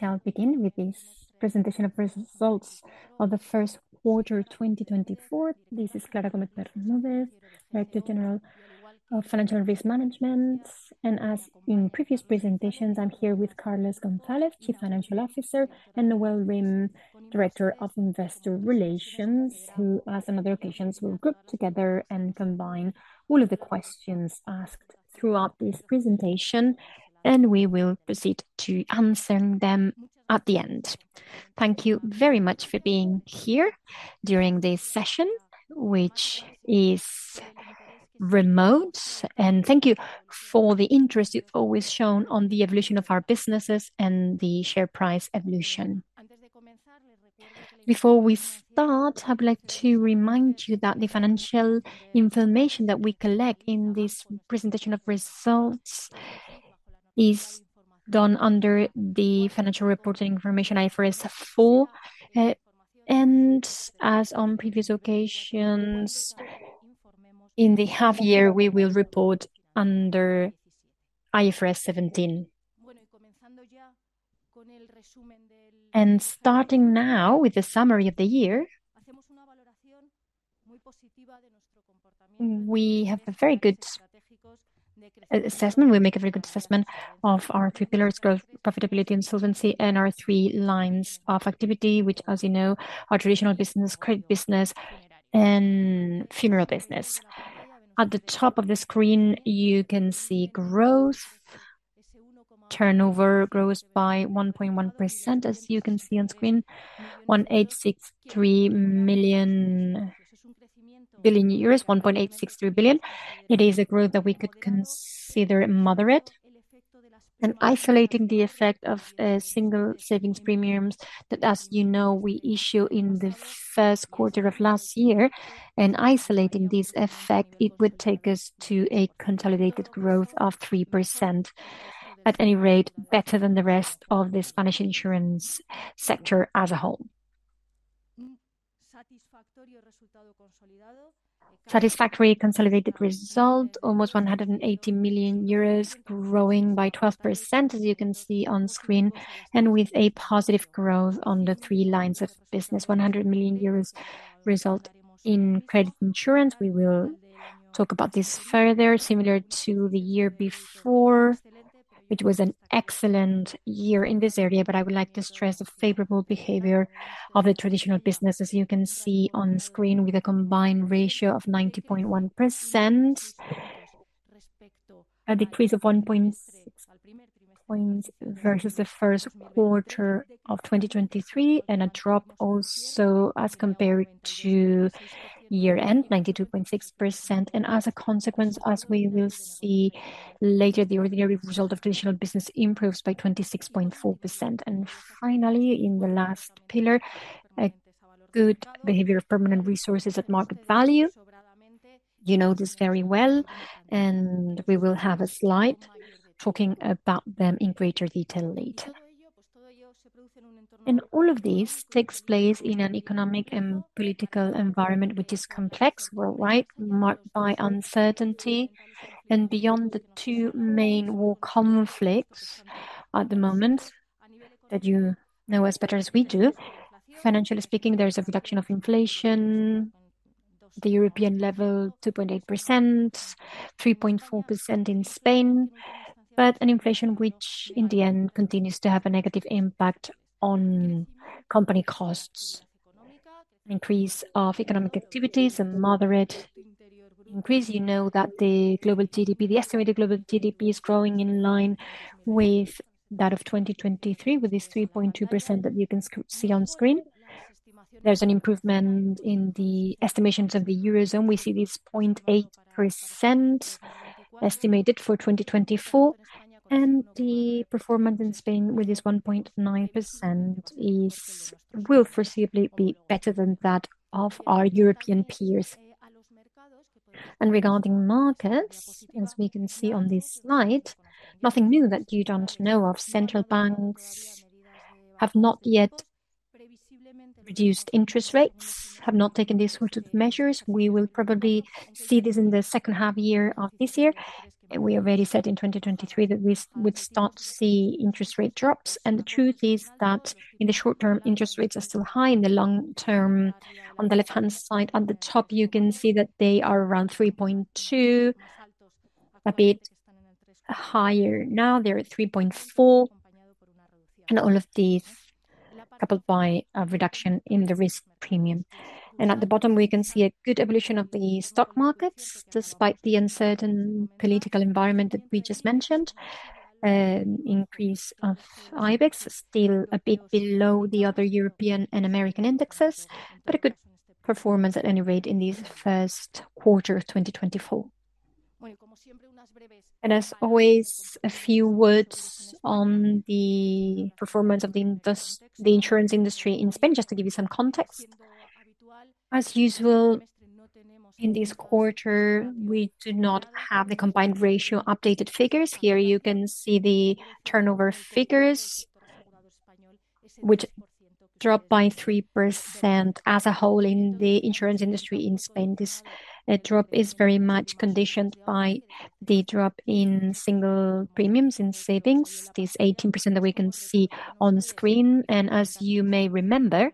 We'll begin with this presentation of results of the Q1 2024. This is Clara Bermúdez, Director General of Financial Risk Management, and as in previous presentations, I'm here with Carlos González, Chief Financial Officer, and Nawal Rim, Director of Investor Relations, who on other occasions will group together and combine all of the questions asked throughout this presentation, and we will proceed to answer them at the end. Thank you very much for being here during this session, which is remote, and thank you for the interest you've always shown on the evolution of our businesses and the share price evolution. Before we start, I'd like to remind you that the financial information that we collect in this presentation of results is done under the Financial Reporting Information IFRS 4, and as on previous occasions, in the half-year we will report under IFRS 17. Starting now with the summary of the year, we have a very good assessment. We make a very good assessment of our 3 pillars: growth, profitability, insolvency, and our 3 lines of activity, which, as you know, are traditional business, credit business, and funeral business. At the top of the screen you can see growth. Turnover grows by 1.1%, as you can see on screen, 1.863 billion euros. It is a growth that we could consider moderate, and isolating the effect of single savings premiums that, as you know, we issue in the Q1 of last year, and isolating this effect, it would take us to a consolidated growth of 3% at any rate, better than the rest of this financial insurance sector as a whole. Satisfactory consolidated result: almost 180 million euros growing by 12%, as you can see on screen, and with a positive growth on the three lines of business. 100 million euros result in credit insurance. We will talk about this further. Similar to the year before, it was an excellent year in this area, but I would like to stress the favorable behavior of the traditional business, as you can see on screen, with a combined ratio of 90.1%, a decrease of 1.6 points versus the Q1 of 2023, and a drop also as compared to year-end: 92.6%. As a consequence, as we will see later, the ordinary result of traditional business improves by 26.4%. Finally, in the last pillar, good behavior of permanent resources at market value. You know this very well, and we will have a slide talking about them in greater detail later. All of this takes place in an economic and political environment which is complex worldwide, marked by uncertainty. And beyond the two main war conflicts at the moment that you know as well as we do, financially speaking, there's a reduction of inflation: the European level 2.8%, 3.4% in Spain, but an inflation which, in the end, continues to have a negative impact on company costs, an increase of economic activities, a moderate increase. You know that the estimated global GDP is growing in line with that of 2023, with this 3.2% that you can see on screen. There's an improvement in the estimations of the Eurozone. We see this 0.8% estimated for 2024, and the performance in Spain, with this 1.9%, will foreseeably be better than that of our European peers. Regarding markets, as we can see on this slide, nothing new that you don't know of: central banks have not yet reduced interest rates, have not taken these sort of measures. We will probably see this in the second half-year of this year. We already said in 2023 that we would start to see interest rate drops, and the truth is that in the short term interest rates are still high. In the long term, on the left-hand side, at the top you can see that they are around 3.2, a bit higher now. They're at 3.4, and all of these coupled by a reduction in the risk premium. At the bottom we can see a good evolution of the stock markets despite the uncertain political environment that we just mentioned, an increase of Ibex, still a bit below the other European and American indexes, but a good performance at any rate in this Q1 of 2024. As always, a few words on the performance of the insurance industry in Spain just to give you some context. As usual, in this quarter we do not have the Combined Ratio updated figures. Here you can see the turnover figures, which drop by 3% as a whole in the insurance industry in Spain. This drop is very much conditioned by the drop in single premiums in savings, this 18% that we can see on screen, and as you may remember,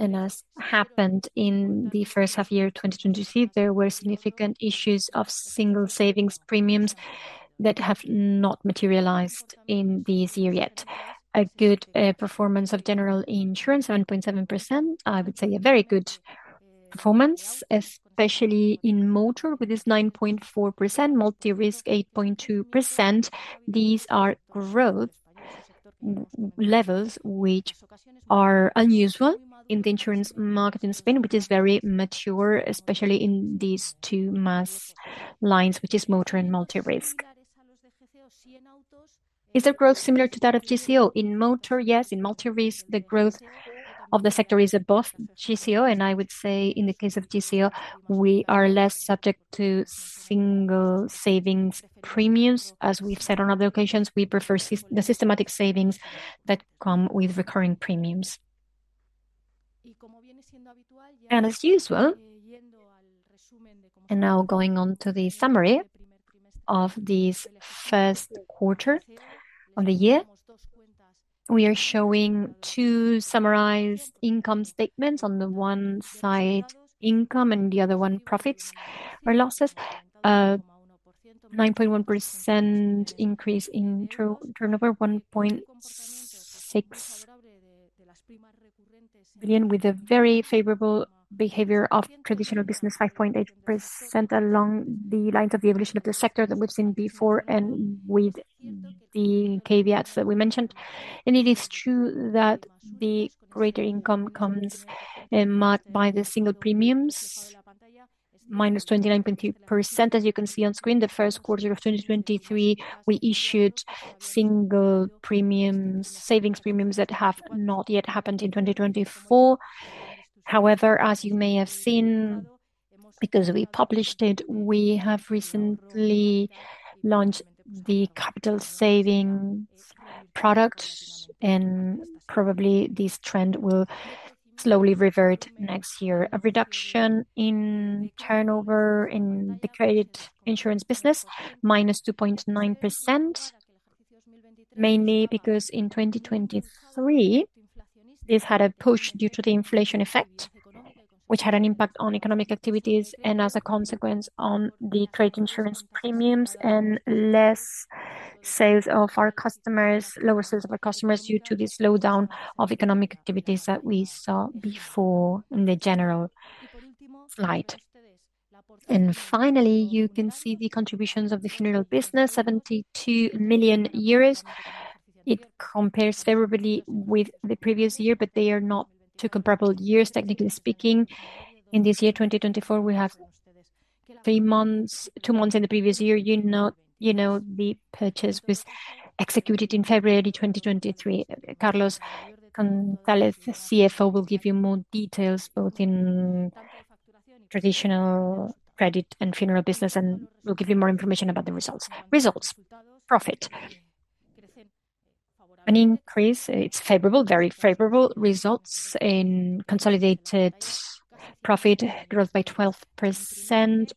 and as happened in the first half-year 2023, there were significant issues of single savings premiums that have not materialized in this year yet. A good performance of general insurance: 7.7%, I would say a very good performance, especially in motor with this 9.4%, multi-risk 8.2%. These are growth levels which are unusual in the insurance market in Spain, which is very mature, especially in these two mass lines, which is motor and multi-risk. Is the growth similar to that of GCO? In motor, yes. In multi-risk the growth of the sector is above GCO, and I would say in the case of GCO we are less subject to single savings premiums. As we've said on other occasions, we prefer the systematic savings that come with recurring premiums. And as usual, and now going on to the summary of this Q1 of the year, we are showing two summarized income statements. On the one side income, and the other one profits or losses, a 9.1% increase in turnover, 1.6 billion, with a very favorable behavior of traditional business: 5.8% along the lines of the evolution of the sector that we've seen before and with the caveats that we mentioned. And it is true that the greater income comes marked by the single premiums: -29.2%, as you can see on screen. The Q1 of 2023 we issued single savings premiums that have not yet happened in 2024. However, as you may have seen, because we published it, we have recently launched the capital savings products, and probably this trend will slowly revert next year. A reduction in turnover in the credit insurance business: -2.9%, mainly because in 2023 this had a push due to the inflation effect, which had an impact on economic activities and as a consequence on the credit insurance premiums and lower sales of our customers due to this slowdown of economic activities that we saw before in the general slide. Finally, you can see the contributions of the funeral business: 72 million euros. It compares favorably with the previous year, but they are not two comparable years, technically speaking. In this year 2024 we have three months, two months in the previous year. You know the purchase was executed in February 2023. Carlos González, CFO, will give you more details both in traditional credit and funeral business and will give you more information about the results. Results: profit. An increase; it's favorable, very favorable. Results in consolidated profit growth by 12%,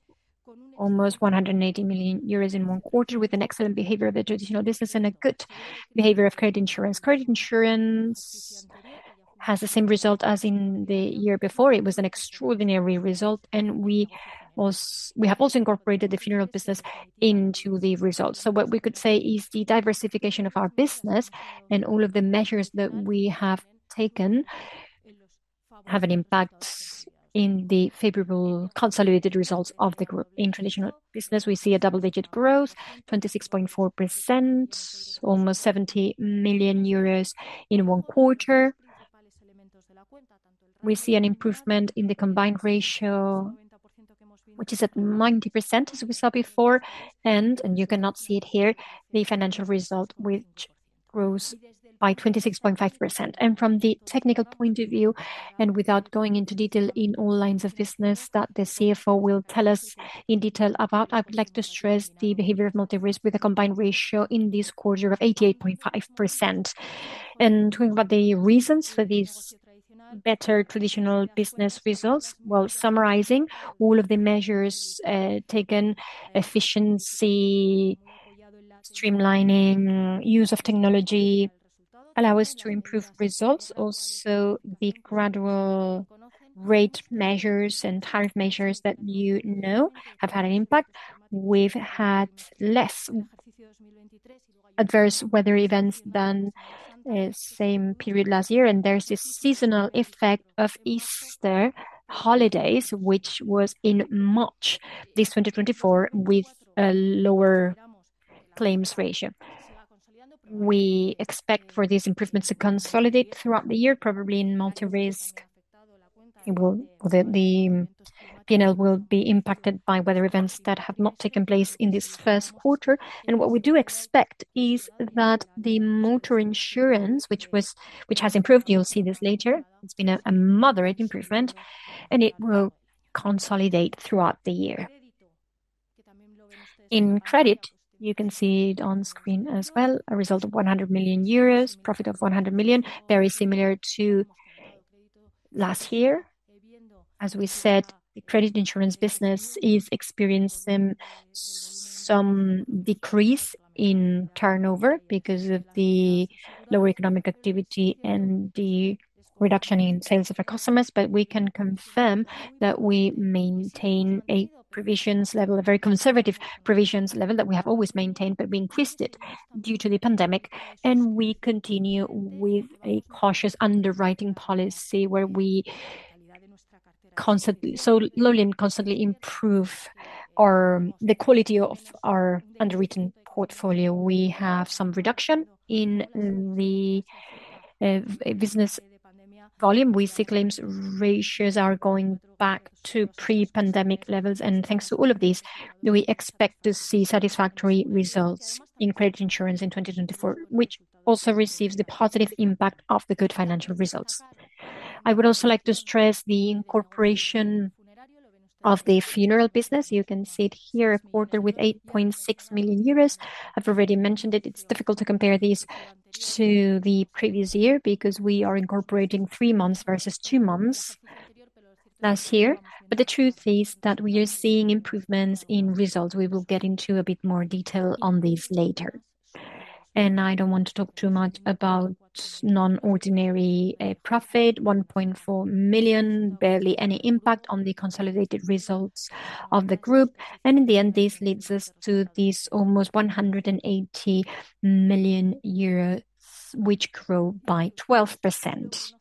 almost 180 million euros in one quarter with an excellent behavior of the traditional business and a good behavior of credit insurance. Credit insurance has the same result as in the year before; it was an extraordinary result, and we have also incorporated the funeral business into the results. So what we could say is the diversification of our business and all of the measures that we have taken have an impact in the favorable consolidated results of the group. In traditional business we see a double-digit growth: 26.4%, almost EUR 70 million in one quarter. We see an improvement in the combined ratio, which is at 90% as we saw before, and you cannot see it here, the financial result which grows by 26.5%. From the technical point of view, and without going into detail in all lines of business that the CFO will tell us in detail about, I would like to stress the behavior of multi-risk with a combined ratio in this quarter of 88.5%. Talking about the reasons for these better traditional business results, well, summarizing, all of the measures taken: efficiency, streamlining, use of technology allow us to improve results. Also, the gradual rate measures and tariff measures that you know have had an impact. We've had less adverse weather events than the same period last year, and there's this seasonal effect of Easter holidays, which was in March this 2024 with a lower claims ratio. We expect for these improvements to consolidate throughout the year, probably in multi-risk. The panel will be impacted by weather events that have not taken place in this Q1, and what we do expect is that the motor insurance, which has improved, you'll see this later, it's been a moderate improvement, and it will consolidate throughout the year. In credit, you can see it on screen as well: a result of 100 million euros, profit of 100 million, very similar to last year. As we said, the credit insurance business is experiencing some decrease in turnover because of the lower economic activity and the reduction in sales of our customers, but we can confirm that we maintain a provisions level, a very conservative provisions level that we have always maintained but increased it due to the pandemic, and we continue with a cautious underwriting policy where we slowly and constantly improve the quality of our underwritten portfolio. We have some reduction in the business volume. We see claims ratios are going back to pre-pandemic levels, and thanks to all of this we expect to see satisfactory results in credit insurance in 2024, which also receives the positive impact of the good financial results. I would also like to stress the incorporation of the funeral business. You can see it here, a quarter with 8.6 million euros. I've already mentioned it. It's difficult to compare this to the previous year because we are incorporating three months versus two months last year, but the truth is that we are seeing improvements in results. We will get into a bit more detail on this later. I don't want to talk too much about non-ordinary profit: 1.4 million, barely any impact on the consolidated results of the group, and in the end this leads us to these almost 180 million euros, which grow by 12%.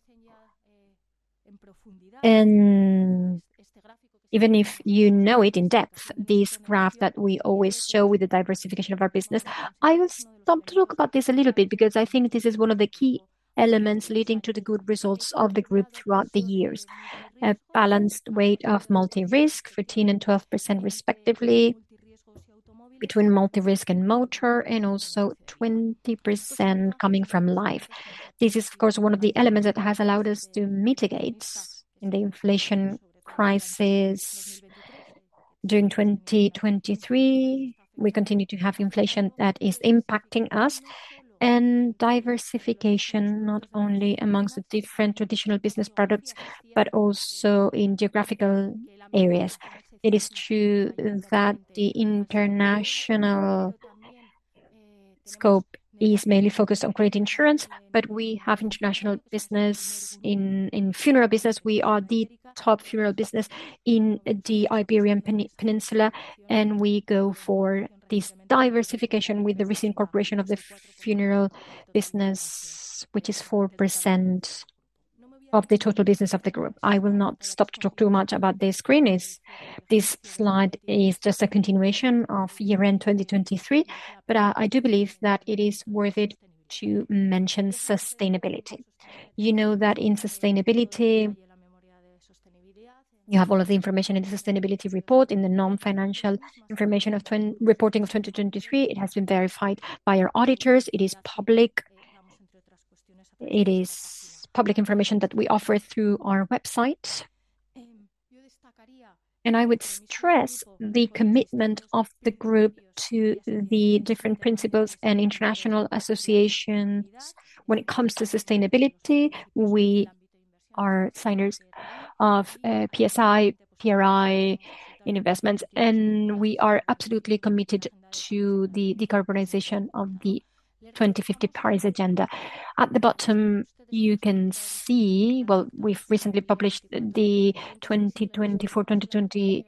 Even if you know it in depth, this graph that we always show with the diversification of our business, I will stop to talk about this a little bit because I think this is one of the key elements leading to the good results of the group throughout the years: a balanced weight of multi-risk, 15% and 12% respectively, between multi-risk and motor, and also 20% coming from life. This is, of course, one of the elements that has allowed us to mitigate the inflation crisis during 2023. We continue to have inflation that is impacting us, and diversification not only amongst the different traditional business products but also in geographical areas. It is true that the international scope is mainly focused on credit insurance, but we have international business in funeral business. We are the top funeral business in the Iberian Peninsula, and we go for this diversification with the recent incorporation of the funeral business, which is 4% of the total business of the group. I will not stop to talk too much about this screen; this slide is just a continuation of year-end 2023, but I do believe that it is worth it to mention sustainability. You know that in sustainability you have all of the information in the sustainability report, in the non-financial information reporting of 2023. It has been verified by our auditors. It is public information that we offer through our website. And I would stress the commitment of the group to the different principles and international associations when it comes to sustainability. We are signers of PSI, PRI investments, and we are absolutely committed to the decarbonization of the 2050 Paris Agenda. At the bottom you can see, well, we've recently published the 2024-2026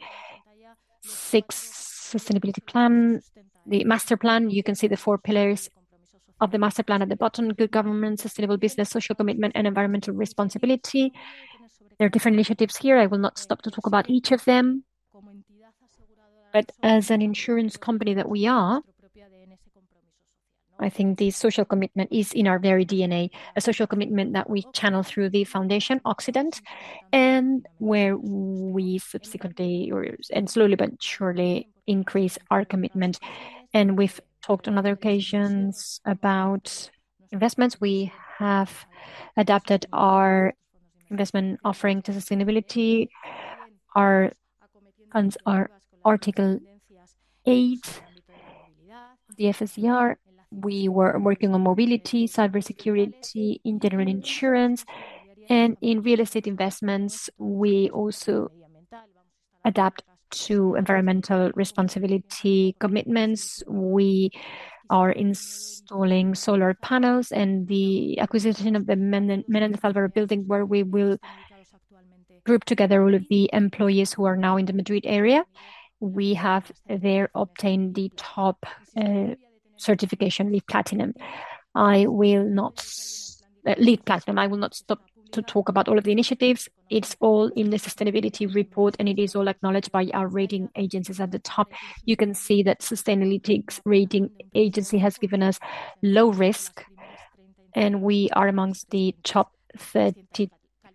sustainability plan, the master plan. You can see the four pillars of the master plan at the bottom: good government, sustainable business, social commitment, and environmental responsibility. There are different initiatives here. I will not stop to talk about each of them, but as an insurance company that we are, I think the social commitment is in our very DNA, a social commitment that we channel through the Foundation Occident and where we subsequently and slowly but surely increase our commitment. We've talked on other occasions about investments. We have adapted our investment offering to sustainability. Our Article 8 of the SFDR, we were working on mobility, cybersecurity, in general insurance, and in real estate investments we also adapt to environmental responsibility commitments. We are installing solar panels and the acquisition of the Méndez Álvaro building where we will group together all of the employees who are now in the Madrid area. We have there obtained the top certification, LEED Platinum. I will not stop to talk about all of the initiatives. It's all in the sustainability report, and it is all acknowledged by our rating agencies at the top. You can see that Sustainalytics rating agency has given us low risk, and we are among the top 30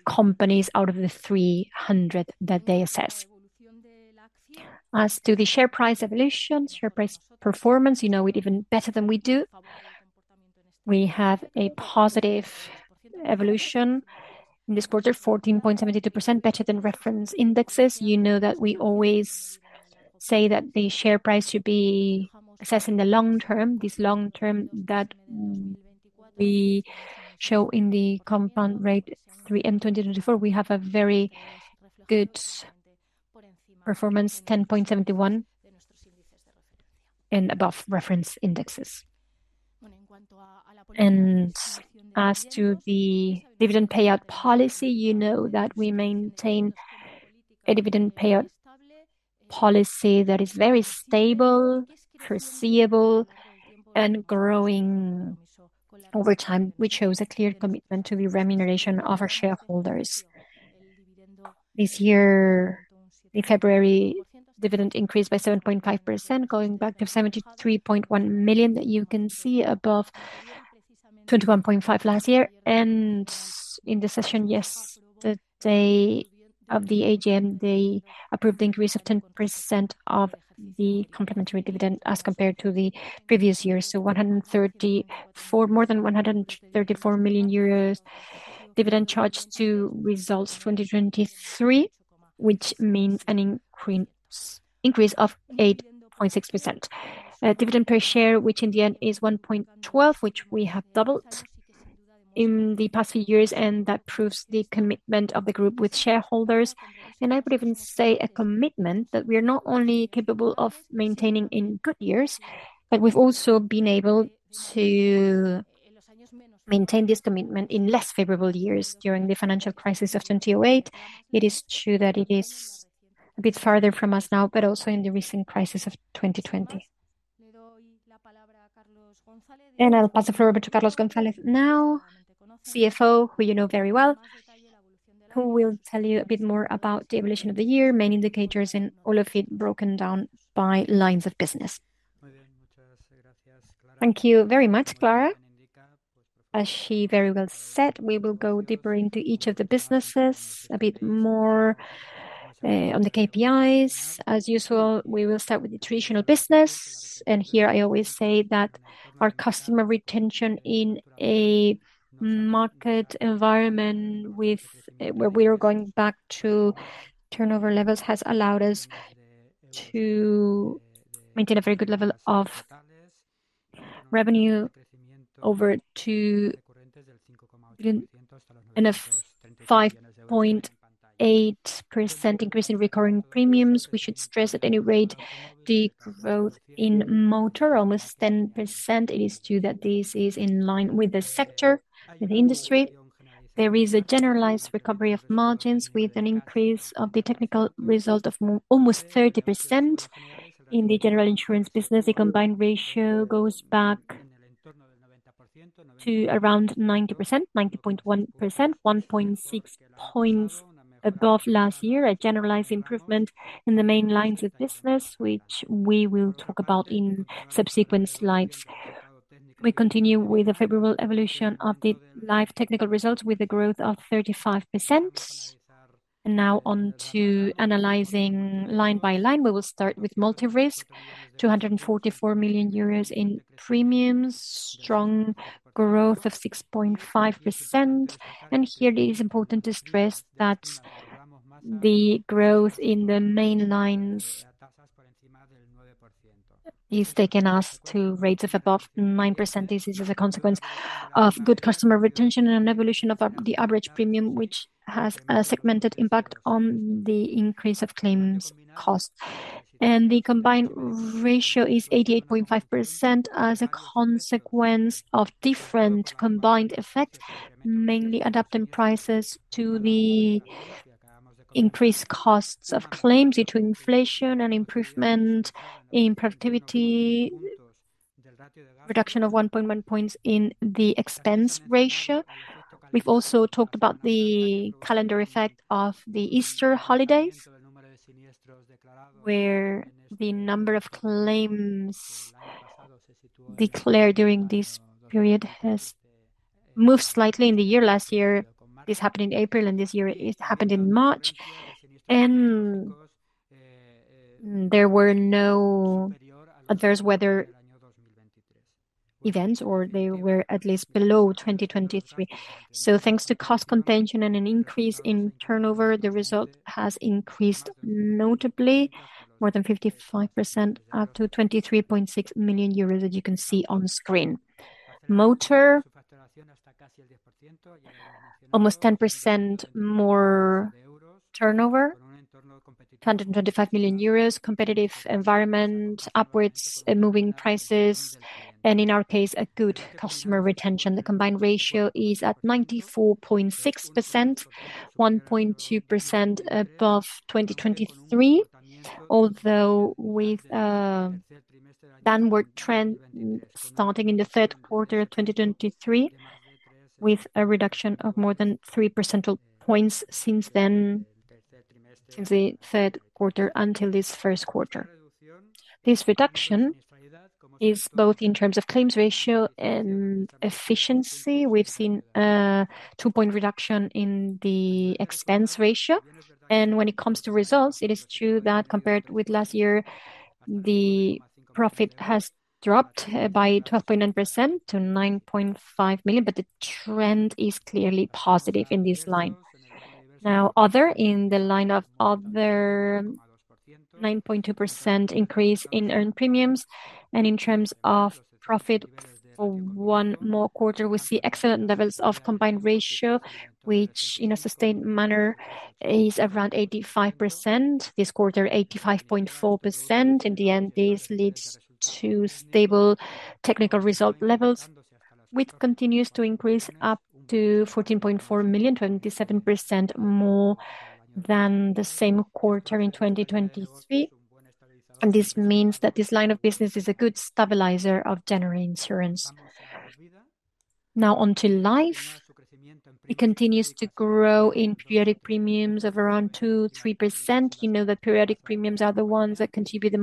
companies out of the 300 that they assess. As to the share price evolution, share price performance, you know it even better than we do. We have a positive evolution in this quarter: 14.72% better than reference indexes. You know that we always say that the share price should be assessed in the long term. This long term that we show in the compound rate 3M 2024, we have a very good performance: 10.71 and above reference indexes. As to the dividend payout policy, you know that we maintain a dividend payout policy that is very stable, foreseeable, and growing over time. We chose a clear commitment to the remuneration of our shareholders. This year, in February, dividend increased by 7.5%, going back to 73.1 million that you can see above 21.5 million last year. In the session, yes, the day of the AGM, they approved the increase of 10% of the complementary dividend as compared to the previous year. More than 134 million euros dividend charged to results 2023, which means an increase of 8.6%. Dividend per share, which in the end is 1.12, which we have doubled in the past few years, and that proves the commitment of the group with shareholders. I would even say a commitment that we are not only capable of maintaining in good years, but we've also been able to maintain this commitment in less favorable years during the financial crisis of 2008. It is true that it is a bit farther from us now, but also in the recent crisis of 2020. I'll pass the floor over to Carlos González now, CFO, who you know very well, who will tell you a bit more about the evolution of the year, main indicators, and all of it broken down by lines of business. Thank you very much, Clara. As she very well said, we will go deeper into each of the businesses a bit more on the KPIs. As usual, we will start with the traditional business, and here I always say that our customer retention in a market environment where we are going back to turnover levels has allowed us to maintain a very good level of revenue over. To enough 5.8% increase in recurring premiums. We should stress at any rate the growth in motor, almost 10%. It is true that this is in line with the sector, with the industry. There is a generalized recovery of margins with an increase of the technical result of almost 30% in the general insurance business. The combined ratio goes back to around 90%, 90.1%, 1.6 points above last year, a generalized improvement in the main lines of business, which we will talk about in subsequent slides. We continue with a favorable evolution of the life technical results with a growth of 35%. Now onto analyzing line by line. We will start with multi-risk: 244 million euros in premiums, strong growth of 6.5%, and here it is important to stress that the growth in the main lines is taking us to rates of above 9%. This is a consequence of good customer retention and an evolution of the average premium, which has a segmented impact on the increase of claims costs. The Combined Ratio is 88.5% as a consequence of different combined effects, mainly adapting prices to the increased costs of claims due to inflation and improvement in productivity, reduction of 1.1 points in the expense ratio. We've also talked about the calendar effect of the Easter holidays, where the number of claims declared during this period has moved slightly in the year last year. This happened in April, and this year it happened in March, and there were no adverse weather events, or they were at least below 2023. So thanks to cost containment and an increase in turnover, the result has increased notably, more than 55%, up to 23.6 million euros that you can see on screen. Motor, almost 10% more turnover, 225 million euros, competitive environment, upward moving prices, and in our case a good customer retention. The Combined Ratio is at 94.6%, 1.2% above 2023, although with downward trend starting in the Q3 of 2023 with a reduction of more than 3 percentage points since the Q3 until this Q1. This reduction is both in terms of claims ratio and efficiency. We've seen a 2-point reduction in the expense ratio, and when it comes to results, it is true that compared with last year the profit has dropped by 12.9% to 9.5 million, but the trend is clearly positive in this line. Now, in the line of other 9.2% increase in earned premiums and in terms of profit for one more quarter, we see excellent levels of Combined Ratio, which in a sustained manner is around 85% this quarter, 85.4%. In the end, this leads to stable technical result levels, which continues to increase up to 14.4 million, 27% more than the same quarter in 2023, and this means that this line of business is a good stabilizer of general insurance. Now, onto life. It continues to grow in periodic premiums of around 2%-3%. You know that periodic premiums are the ones that contribute the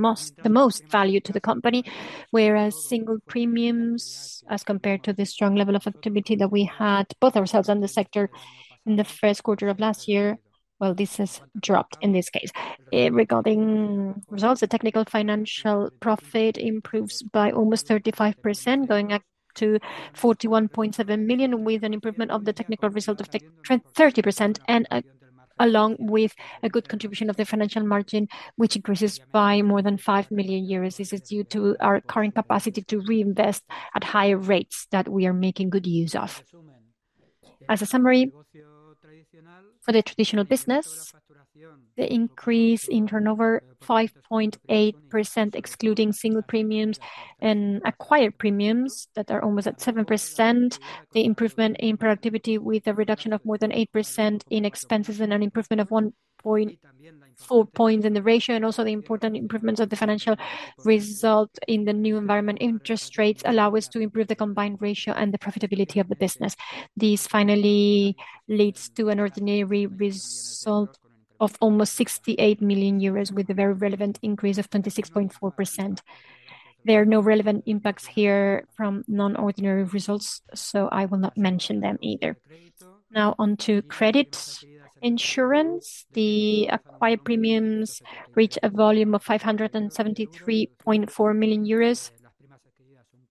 most value to the company, whereas single premiums as compared to the strong level of activity that we had both ourselves and the sector in the Q1 of last year, well, this has dropped in this case. Regarding results, the technical financial profit improves by almost 35%, going up to 41.7 million with an improvement of the technical result of 30% and along with a good contribution of the financial margin, which increases by more than 5 million. This is due to our current capacity to reinvest at higher rates that we are making good use of. As a summary, for the traditional business, the increase in turnover 5.8% excluding single premiums and acquired premiums that are almost at 7%, the improvement in productivity with a reduction of more than 8% in expenses and an improvement of 1.4 points in the ratio, and also the important improvements of the financial result in the new environment interest rates allow us to improve the combined ratio and the profitability of the business. This finally leads to an ordinary result of almost 68 million euros with a very relevant increase of 26.4%. There are no relevant impacts here from non-ordinary results, so I will not mention them either. Now, onto credit insurance. The acquired premiums reach a volume of 573.4 million euros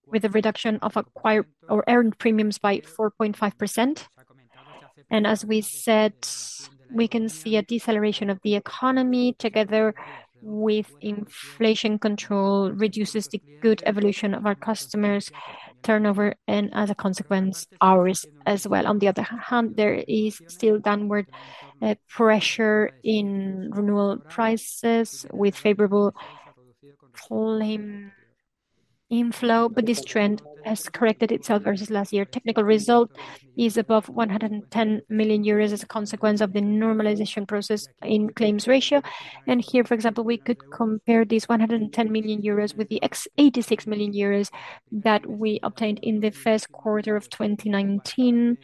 with a reduction of acquired or earned premiums by 4.5%. And as we said, we can see a deceleration of the economy together with inflation control reduces the good evolution of our customers' turnover and as a consequence, ours as well. On the other hand, there is still downward pressure in renewal prices with favorable inflow, but this trend has corrected itself versus last year. Technical result is above 110 million euros as a consequence of the normalization process in claims ratio. And here, for example, we could compare these 110 million euros with the 86 million euros that we obtained in the Q1 of 2019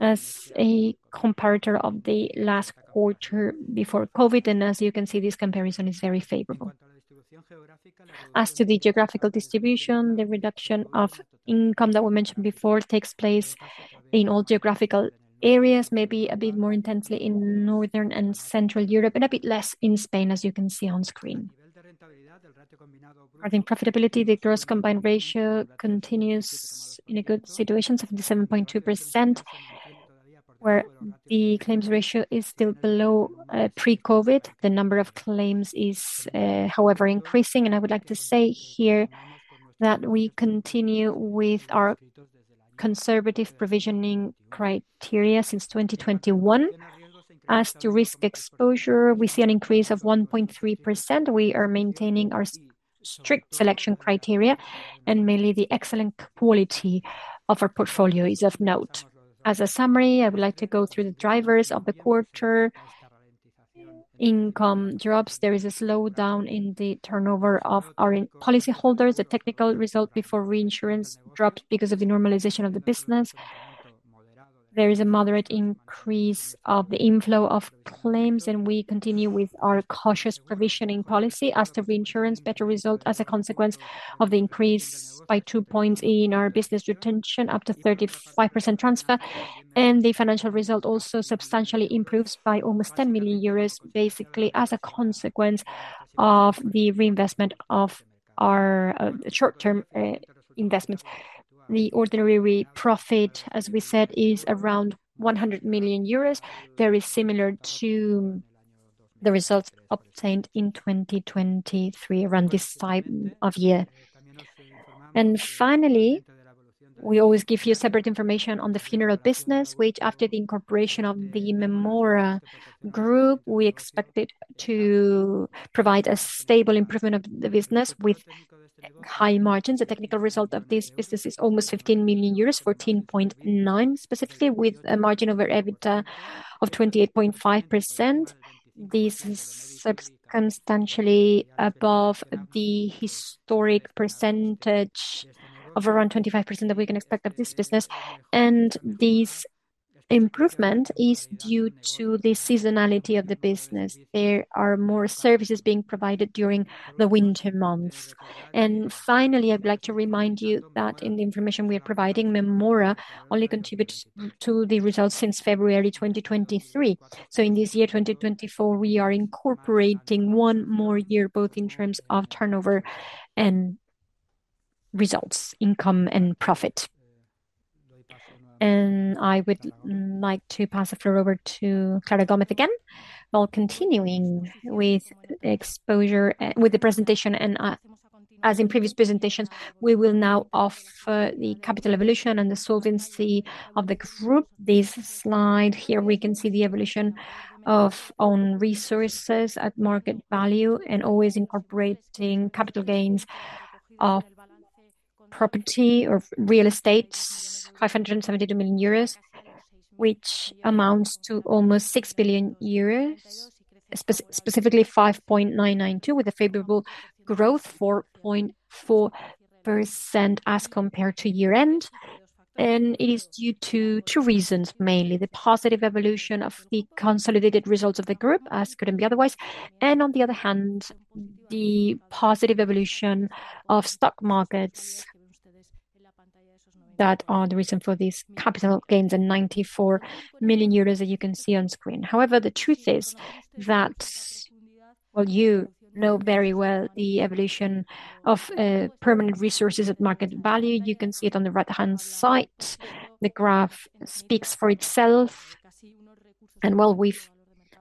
as a comparator of the last quarter before COVID, and as you can see, this comparison is very favorable. As to the geographical distribution, the reduction of income that we mentioned before takes place in all geographical areas, maybe a bit more intensely in northern and central Europe and a bit less in Spain, as you can see on screen. Regarding profitability, the gross Combined Ratio continues in a good situation of the 7.2% where the claims ratio is still below pre-COVID. The number of claims is, however, increasing, and I would like to say here that we continue with our conservative provisioning criteria since 2021. As to risk exposure, we see an increase of 1.3%. We are maintaining our strict selection criteria, and mainly the excellent quality of our portfolio is of note. As a summary, I would like to go through the drivers of the quarter. Income drops. There is a slowdown in the turnover of our policyholders. The technical result before reinsurance drops because of the normalization of the business. There is a moderate increase of the inflow of claims, and we continue with our cautious provisioning policy. As to reinsurance, better result as a consequence of the increase by two points in our business retention, up to 35% transfer, and the financial result also substantially improves by almost 10 million euros, basically as a consequence of the reinvestment of our short-term investments. The ordinary profit, as we said, is around 100 million euros. Very similar to the results obtained in 2023 around this time of year. Finally, we always give you separate information on the funeral business, which after the incorporation of the Mémora Group, we expected to provide a stable improvement of the business with high margins. The technical result of this business is almost 15 million euros, 14.9 million specifically, with a margin over EBITDA of 28.5%. This is substantially above the historic percentage of around 25% that we can expect of this business, and this improvement is due to the seasonality of the business. There are more services being provided during the winter months. Finally, I'd like to remind you that in the information we are providing, Mémora only contributes to the results since February 2023. So in this year 2024, we are incorporating one more year both in terms of turnover and results, income and profit. I would like to pass the floor over to Clara Gómez again. While continuing with the exposure with the presentation, and as in previous presentations, we will now offer the capital evolution and the solvency of the group. This slide here, we can see the evolution of own resources at market value and always incorporating capital gains of property or real estate, 572 million euros, which amounts to almost 6 billion euros, specifically 5.992 billion with a favorable growth of 4.4% as compared to year-end. It is due to two reasons, mainly the positive evolution of the consolidated results of the group, as couldn't be otherwise, and on the other hand, the positive evolution of stock markets that are the reason for these capital gains and 94 million euros that you can see on screen. However, the truth is that, well, you know very well the evolution of permanent resources at market value. You can see it on the right-hand side. The graph speaks for itself, and well, we've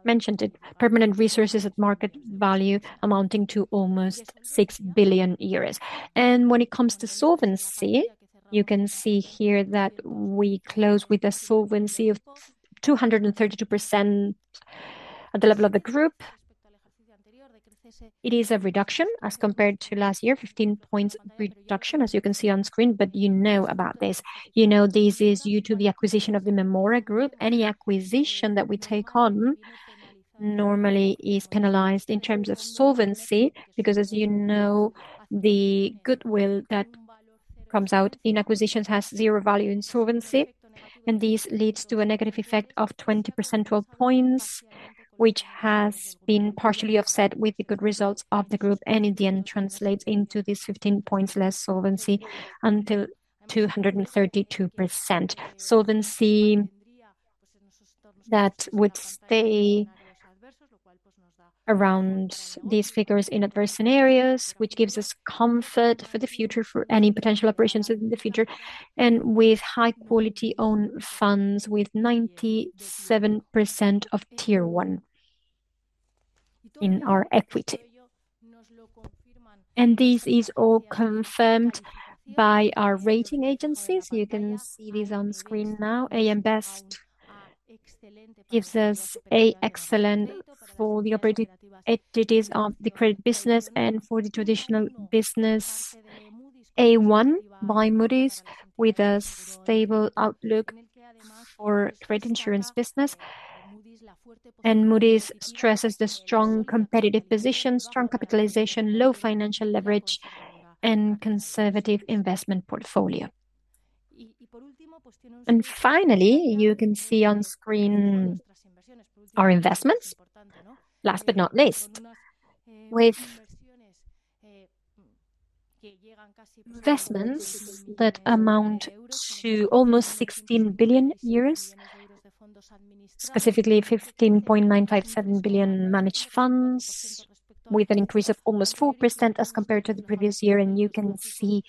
mentioned it, permanent resources at market value amounting to almost 6 billion euros. When it comes to solvency, you can see here that we close with a solvency of 232% at the level of the group. It is a reduction as compared to last year, 15 points reduction, as you can see on screen, but you know about this. You know this is due to the acquisition of the Mémora Group. Any acquisition that we take on normally is penalized in terms of solvency because, as you know, the goodwill that comes out in acquisitions has zero value in solvency, and this leads to a negative effect of 20 percentage points, which has been partially offset with the good results of the group and in the end translates into this 15 points less solvency until 232% solvency that would stay around these figures in adverse scenarios, which gives us comfort for the future for any potential operations in the future and with high-quality own funds with 97% of Tier 1 in our equity. This is all confirmed by our rating agencies. You can see this on screen now. AM Best gives us A (Excellent) for the operating entities of the credit business and for the traditional business. A1 by Moody's with a stable outlook for credit insurance business. Moody's stresses the strong competitive position, strong capitalization, low financial leverage, and conservative investment portfolio. Finally, you can see on screen our investments, last but not least, with investments that amount to almost 16 billion euros, specifically 15.957 billion managed funds with an increase of almost 4% as compared to the previous year, and you can see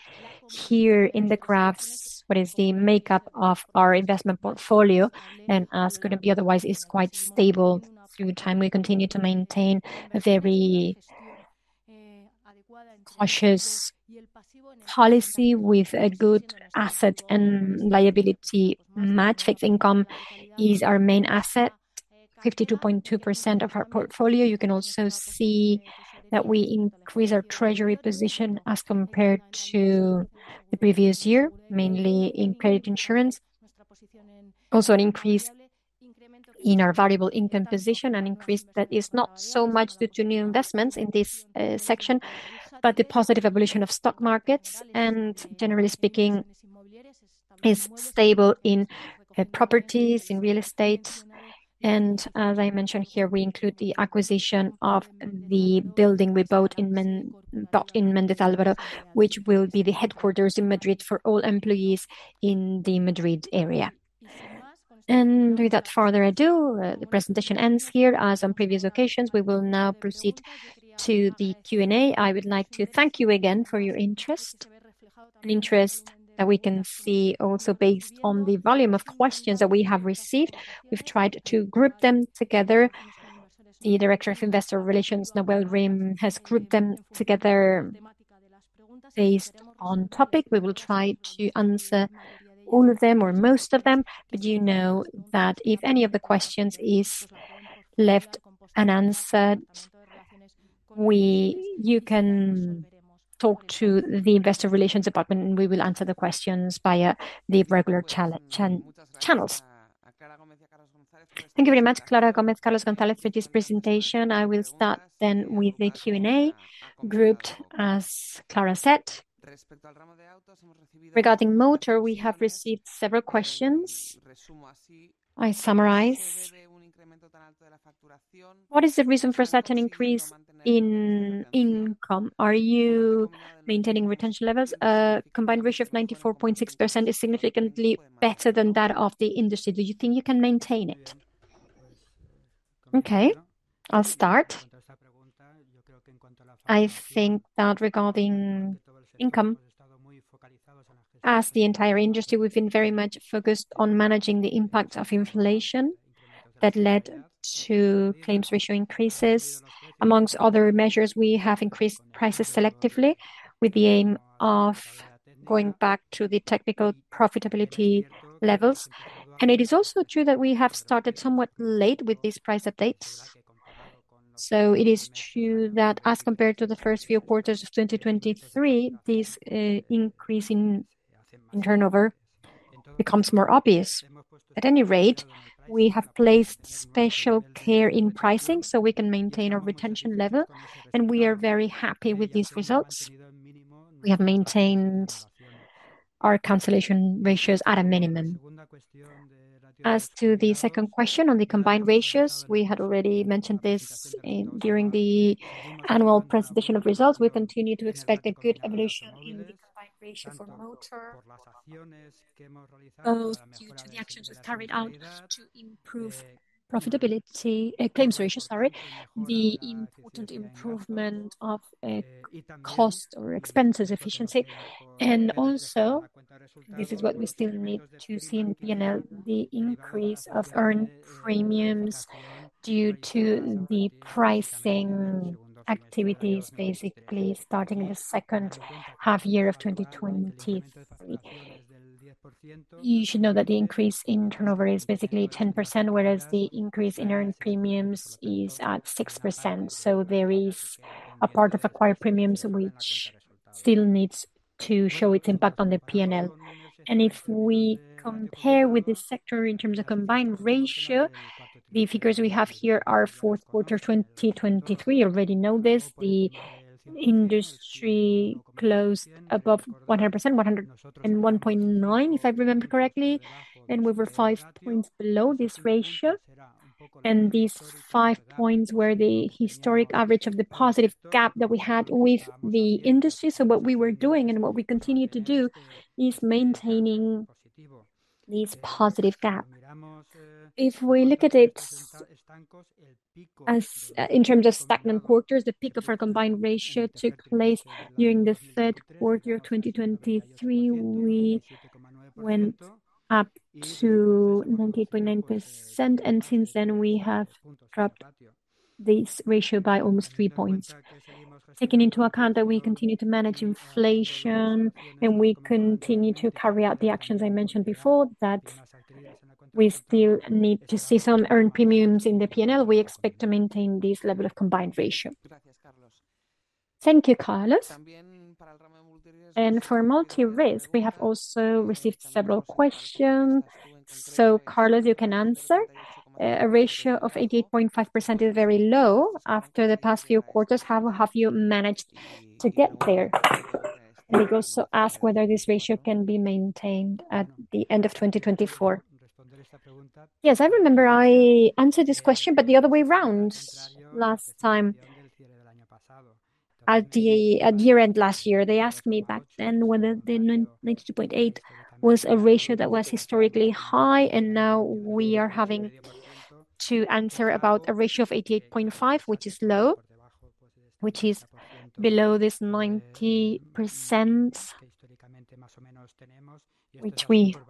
here in the graphs what is the makeup of our investment portfolio and as couldn't be otherwise is quite stable through time. We continue to maintain a very cautious policy with a good asset and liability match. Fixed income is our main asset, 52.2% of our portfolio. You can also see that we increase our treasury position as compared to the previous year, mainly in credit insurance. Also an increase in our variable income position, an increase that is not so much due to new investments in this section, but the positive evolution of stock markets and, generally speaking, is stable in properties, in real estate. And as I mentioned here, we include the acquisition of the building we bought in Méndez Álvaro, which will be the headquarters in Madrid for all employees in the Madrid area. And without further ado, the presentation ends here. As on previous occasions, we will now proceed to the Q&A. I would like to thank you again for your interest. An interest that we can see also based on the volume of questions that we have received. We've tried to group them together. The director of investor relations, Nawal Rim, has grouped them together based on topic. We will try to answer all of them or most of them, but you know that if any of the questions is left unanswered, you can talk to the investor relations department and we will answer the questions via the regular channels. Thank you very much, Clara Gómez, Carlos González, for this presentation. I will start then with the Q&A grouped as Clara said. Regarding motor, we have received several questions. I summarize. What is the reason for such an increase in income? Are you maintaining retention levels? A combined ratio of 94.6% is significantly better than that of the industry. Do you think you can maintain it? Okay. I'll start. I think that regarding income, as the entire industry, we've been very much focused on managing the impact of inflation that led to claims ratio increases. Amongst other measures, we have increased prices selectively with the aim of going back to the technical profitability levels. It is also true that we have started somewhat late with these price updates. It is true that as compared to the first few quarters of 2023, this increase in turnover becomes more obvious. At any rate, we have placed special care in pricing so we can maintain our retention level, and we are very happy with these results. We have maintained our cancellation ratios at a minimum. As to the second question on the combined ratios, we had already mentioned this during the annual presentation of results. We continue to expect a good evolution in the combined ratio for motor both due to the actions we carried out to improve profitability, claims ratio, sorry, the important improvement of cost or expenses efficiency. Also, this is what we still need to see in P&L, the increase of earned premiums due to the pricing activities basically starting in the second half year of 2023. You should know that the increase in turnover is basically 10%, whereas the increase in earned premiums is at 6%. So there is a part of acquired premiums which still needs to show its impact on the P&L. And if we compare with this sector in terms of Combined Ratio, the figures we have here are fourth quarter 2023. You already know this. The industry closed above 100%, 101.9% if I remember correctly, and we were 5 points below this ratio. And these 5 points were the historic average of the positive gap that we had with the industry. So what we were doing and what we continue to do is maintaining this positive gap. If we look at it in terms of stagnant quarters, the peak of our combined ratio took place during the Q3 of 2023. We went up to 98.9%, and since then we have dropped this ratio by almost 3 points. Taking into account that we continue to manage inflation and we continue to carry out the actions I mentioned before that we still need to see some earned premiums in the P&L, we expect to maintain this level of combined ratio. Thank you, Carlos. For multi-risk, we have also received several questions. Carlos, you can answer. A ratio of 88.5% is very low. After the past few quarters, how have you managed to get there? And they also ask whether this ratio can be maintained at the end of 2024. Yes, I remember I answered this question, but the other way around last time. At year-end last year, they asked me back then whether the 92.8 was a ratio that was historically high, and now we are having to answer about a ratio of 88.5, which is low, which is below this 90%, which we have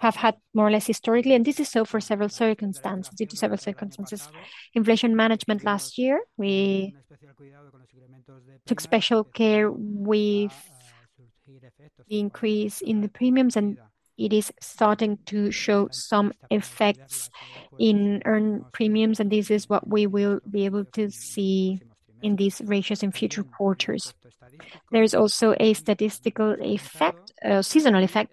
had more or less historically. And this is so for several circumstances. Due to several circumstances, inflation management last year, we took special care with the increase in the premiums, and it is starting to show some effects in earned premiums, and this is what we will be able to see in these ratios in future quarters. There is also a statistical effect, a seasonal effect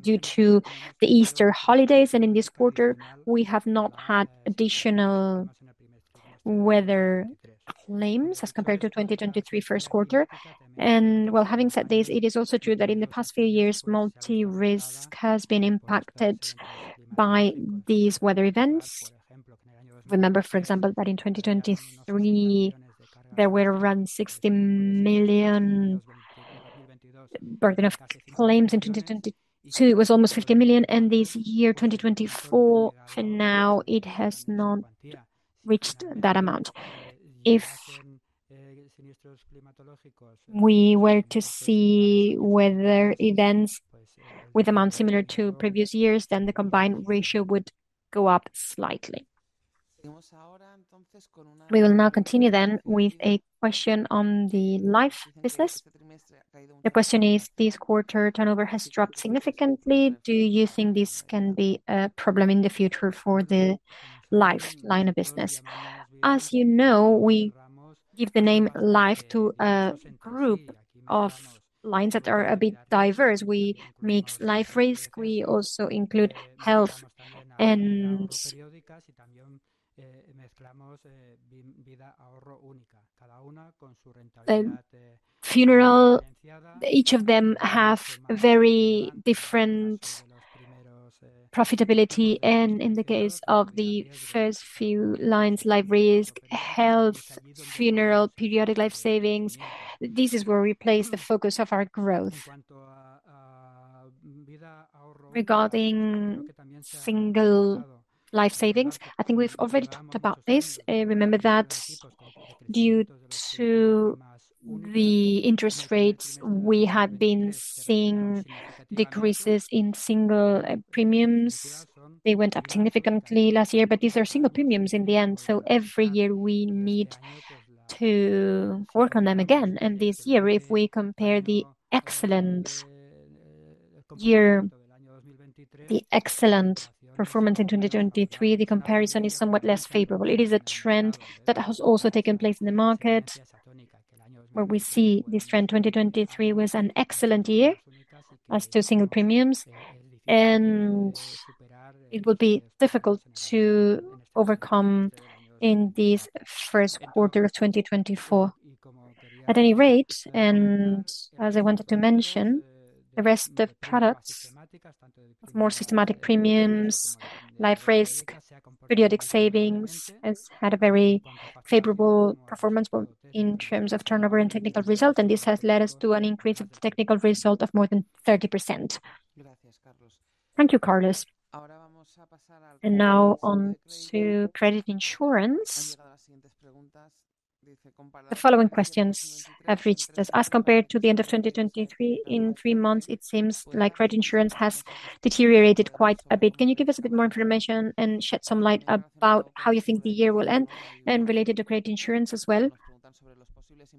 due to the Easter holidays, and in this quarter, we have not had additional weather claims as compared to 2023 Q1. Well, having said this, it is also true that in the past few years, multi-risk has been impacted by these weather events. Remember, for example, that in 2023, there were around 60 million burden of claims. In 2022 it was almost 50 million, and this year 2024, for now, it has not reached that amount. If we were to see weather events with amounts similar to previous years, then the combined ratio would go up slightly. We will now continue then with a question on the life business. The question is, this quarter turnover has dropped significantly. Do you think this can be a problem in the future for the life line of business? As you know, we give the name life to a group of lines that are a bit diverse. We mix life risk. We also include health and funeral. Each of them have very different profitability. In the case of the first few lines, life risk, health, funeral, periodic life savings, this is where we place the focus of our growth. Regarding single life savings, I think we've already talked about this. Remember that due to the interest rates, we had been seeing decreases in single premiums. They went up significantly last year, but these are single premiums in the end. So every year, we need to work on them again. And this year, if we compare the excellent year, the excellent performance in 2023, the comparison is somewhat less favorable. It is a trend that has also taken place in the market where we see this trend. 2023 was an excellent year as to single premiums, and it will be difficult to overcome in this Q1 of 2024 at any rate. As I wanted to mention, the rest of products of more systematic premiums, life risk, periodic savings has had a very favorable performance in terms of turnover and technical result, and this has led us to an increase of the technical result of more than 30%. Thank you, Carlos. Now on to credit insurance. The following questions have reached us. As compared to the end of 2023, in three months, it seems like credit insurance has deteriorated quite a bit. Can you give us a bit more information and shed some light about how you think the year will end and related to credit insurance as well?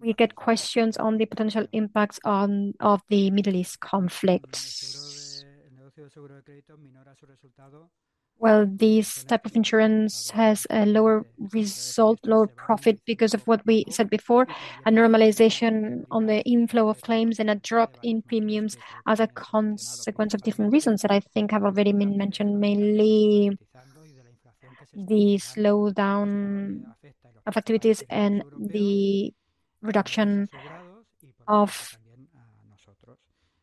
We get questions on the potential impacts of the Middle East conflict. Well, this type of insurance has a lower result, lower profit because of what we said before, a normalization on the inflow of claims and a drop in premiums as a consequence of different reasons that I think have already been mentioned, mainly the slowdown of activities and the reduction of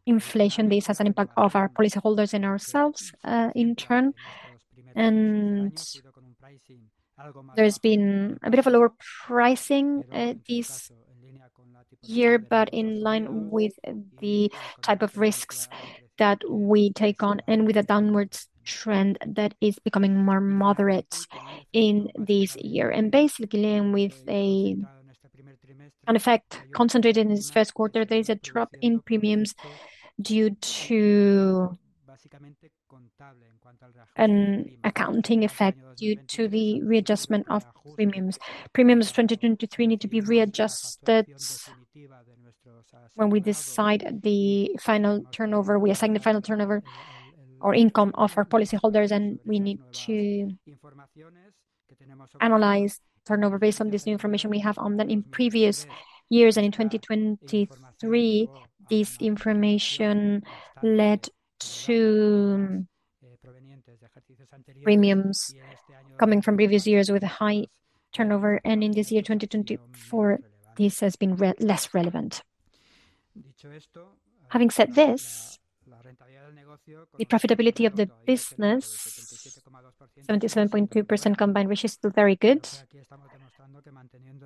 inflation. This has an impact on our policyholders and ourselves in turn. There has been a bit of a lower pricing this year, but in line with the type of risks that we take on and with a downward trend that is becoming more moderate in this year and basically dealing with an effect concentrated in this Q1, there is a drop in premiums due to an accounting effect due to the readjustment of premiums. Premiums 2023 need to be readjusted. When we decide the final turnover, we assign the final turnover or income of our policyholders, and we need to analyze turnover based on this new information we have on them in previous years. In 2023, this information led to premiums coming from previous years with a high turnover, and in this year 2024, this has been less relevant. Having said this, the profitability of the business, 77.2% combined reaches still very good.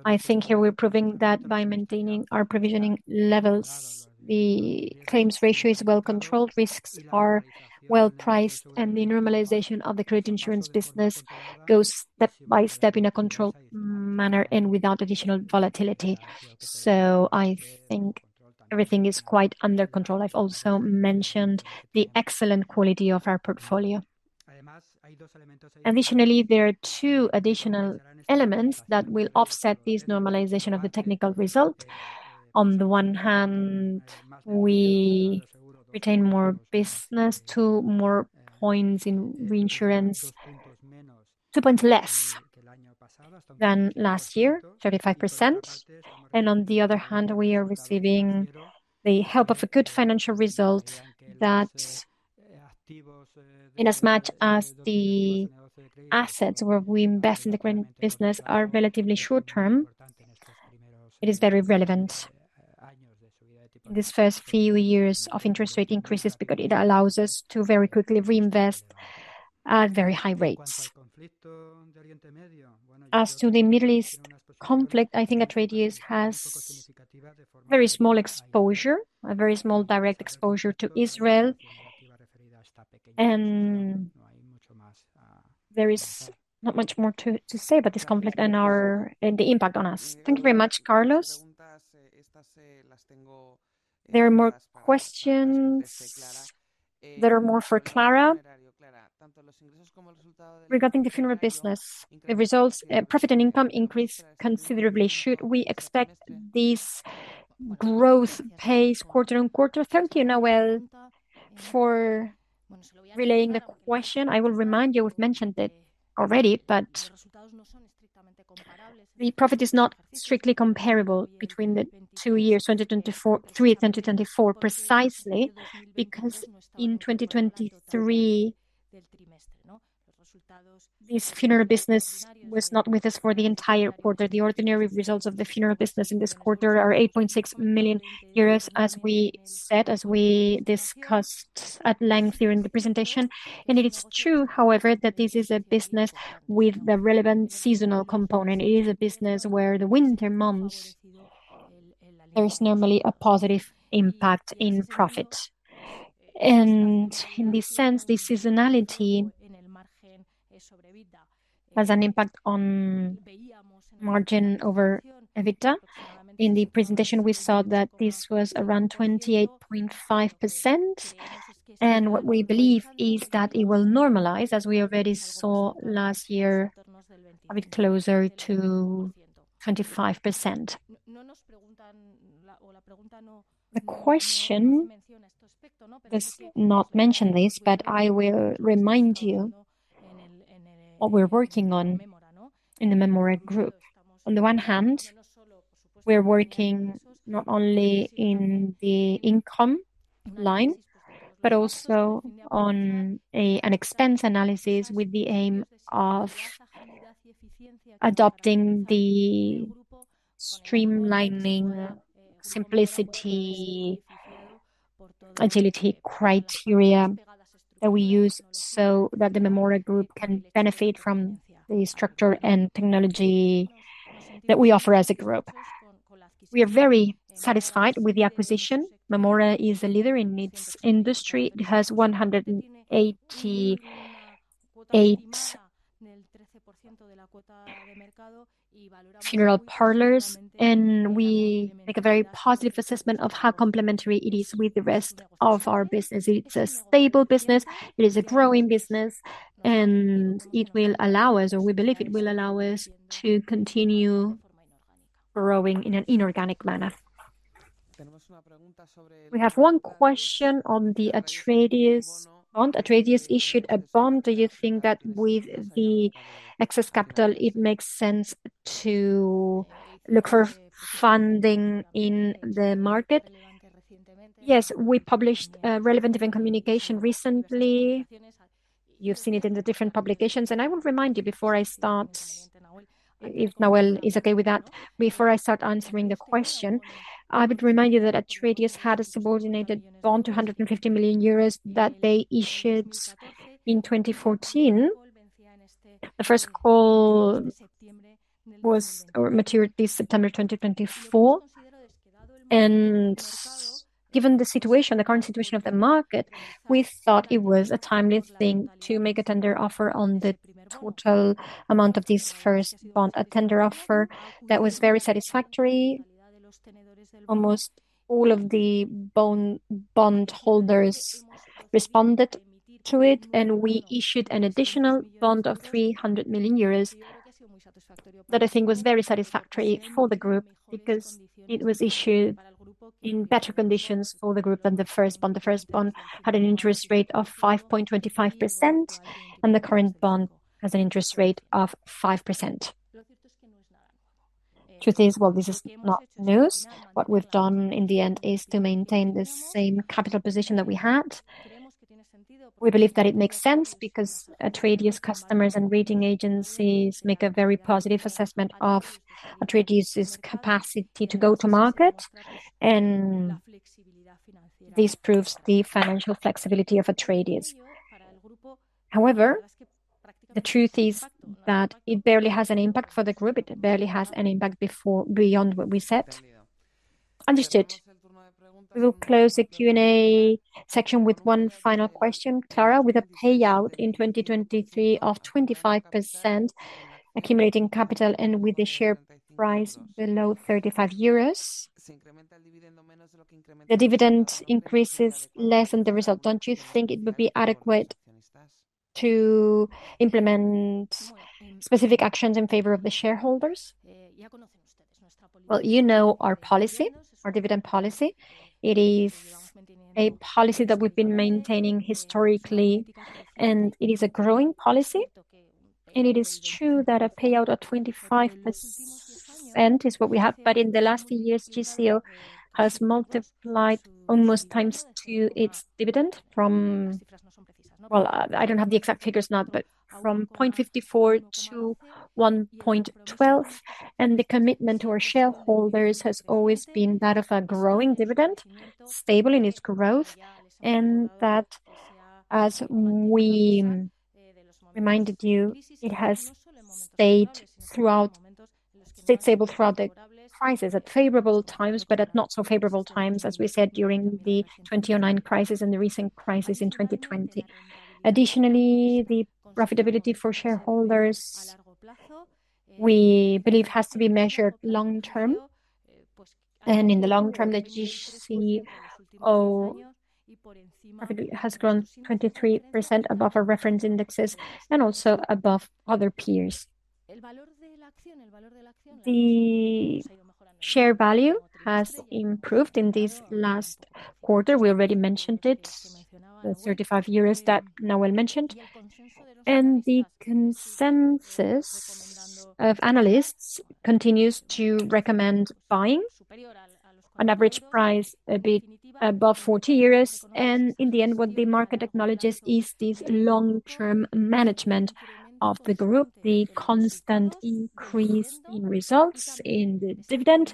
I think here we're proving that by maintaining our provisioning levels, the claims ratio is well controlled, risks are well priced, and the normalization of the credit insurance business goes step by step in a controlled manner and without additional volatility. I think everything is quite under control. I've also mentioned the excellent quality of our portfolio. Additionally, there are two additional elements that will offset this normalization of the technical result. On the one hand, we retain more business, two more points in reinsurance, two points less than last year, 35%. And on the other hand, we are receiving the help of a good financial result that in as much as the assets where we invest in the credit business are relatively short-term, it is very relevant in these first few years of interest rate increases because it allows us to very quickly reinvest at very high rates. As to the Middle East conflict, I think Atradius has very small exposure, a very small direct exposure to Israel. And there is not much more to say about this conflict and the impact on us. Thank you very much, Carlos. There are more questions that are more for Clara. Regarding the funeral business, the profit and income increase considerably. Should we expect this growth pace quarter on quarter? Thank you, Nawal, for relaying the question. I will remind you, we've mentioned it already, but the profit is not strictly comparable between the two years, 2023 and 2024, precisely because in 2023, this funeral business was not with us for the entire quarter. The ordinary results of the funeral business in this quarter are 8.6 million euros, as we said, as we discussed at length during the presentation. And it is true, however, that this is a business with a relevant seasonal component. It is a business where the winter months, there is normally a positive impact in profit. And in this sense, the seasonality has an impact on margin over EBITDA. In the presentation, we saw that this was around 28.5%, and what we believe is that it will normalize, as we already saw last year, a bit closer to 25%. The question does not mention this, but I will remind you what we're working on in the Mémora Group. On the one hand, we're working not only in the income line but also on an expense analysis with the aim of adopting the streamlining simplicity agility criteria that we use so that the Mémora Group can benefit from the structure and technology that we offer as a group. We are very satisfied with the acquisition. Mémora is a leader in its industry. It has 188 funeral parlors, and we make a very positive assessment of how complementary it is with the rest of our business. It's a stable business. It is a growing business, and it will allow us, or we believe it will allow us, to continue growing in an inorganic manner. We have one question on the Atradius issued a bond. Do you think that with the excess capital, it makes sense to look for funding in the market? Yes, we published relevant event communication recently. You've seen it in the different publications. And I will remind you before I start, if Nawal is okay with that, before I start answering the question, I would remind you that Atradius had a subordinated bond to 150 million euros that they issued in 2014. The first call matured this September 2024. And given the current situation of the market, we thought it was a timely thing to make a tender offer on the total amount of this first bond, a tender offer that was very satisfactory. Almost all of the bondholders responded to it, and we issued an additional bond of 300 million euros that I think was very satisfactory for the group because it was issued in better conditions for the group than the first bond. The first bond had an interest rate of 5.25%, and the current bond has an interest rate of 5%. The truth is, well, this is not news. What we've done in the end is to maintain the same capital position that we had. We believe that it makes sense because Atradius' customers and rating agencies make a very positive assessment of Atradius' capacity to go to market, and this proves the financial flexibility of Atradius. However, the truth is that it barely has an impact for the group. It barely has an impact beyond what we set. Understood. We will close the Q&A section with one final question, Clara, with a payout in 2023 of 25% accumulating capital and with the share price below 35 euros. The dividend increases less than the result. Don't you think it would be adequate to implement specific actions in favor of the shareholders? Well, you know our dividend policy. It is a policy that we've been maintaining historically, and it is a growing policy. It is true that a payout of 25% is what we have, but in the last few years, GCO has multiplied almost times two its dividend from well, I don't have the exact figures now, but from 0.54 to 1.12. The commitment to our shareholders has always been that of a growing dividend, stable in its growth, and that, as we reminded you, it has stayed stable throughout the crisis, at favorable times but at not so favorable times, as we said, during the 2009 crisis and the recent crisis in 2020. Additionally, the profitability for shareholders, we believe, has to be measured long-term. In the long term, the GCO has grown 23% above our reference indexes and also above other peers. The share value has improved in this last quarter. We already mentioned it, the 35 euros that Nawal mentioned. The consensus of analysts continues to recommend buying, an average price a bit above 40 euros. In the end, what the market acknowledges is this long-term management of the group, the constant increase in results in the dividend,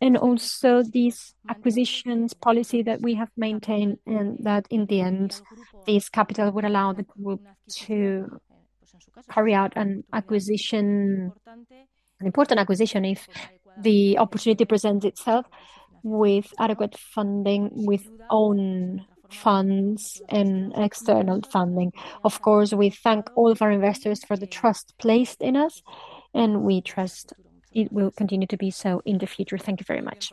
and also this acquisitions policy that we have maintained and that, in the end, this capital would allow the group to carry out an important acquisition if the opportunity presents itself with adequate funding, with own funds and external funding. Of course, we thank all of our investors for the trust placed in us, and we trust it will continue to be so in the future. Thank you very much.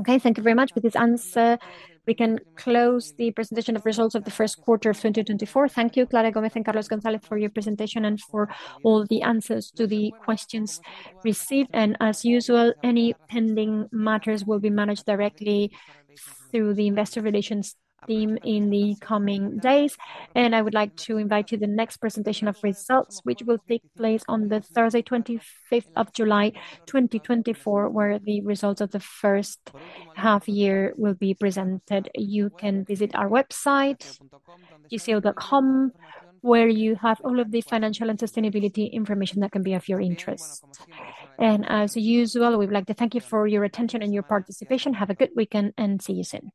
Okay, thank you very much for this answer. We can close the presentation of results of the Q1 of 2024. Thank you, Clara Gómez and Carlos González, for your presentation and for all the answers to the questions received. As usual, any pending matters will be managed directly through the investor relations team in the coming days. I would like to invite you to the next presentation of results, which will take place on the Thursday, 25th of July 2024, where the results of the first half year will be presented. You can visit our website, gco.com, where you have all of the financial and sustainability information that can be of your interest. As usual, we would like to thank you for your attention and your participation. Have a good weekend, and see you soon.